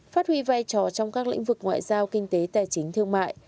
phát huy vai trò trong các lĩnh vực ngoại giao kinh tế tài chính thương mại